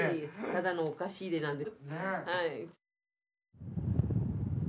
ただのお菓子入れなんで。